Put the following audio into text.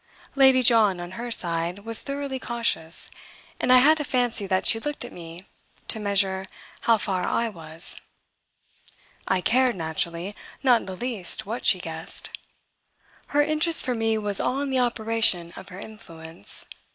Lady John, on her side, was thoroughly conscious, and I had a fancy that she looked at me to measure how far I was. I cared, naturally, not in the least what she guessed; her interest for me was all in the operation of her influence.